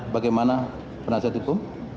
bagaimana perasaan itu